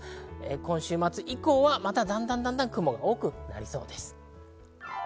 今週末以降だんだんと雲が多くなりそうです。